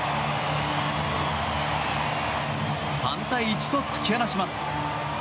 ３対１と突き放します。